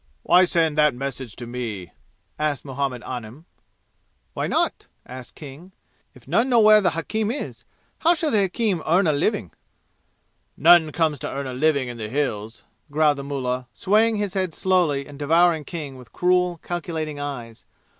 "Why send that message to me?" asked Muhammad Anim. "Why not?" asked King. "If none know where the hakim is, how shall the hakim earn a living?" "None comes to earn a living in the Hills," growled the mullah, swaying his head slowly and devouring King with cruel calculating eyes.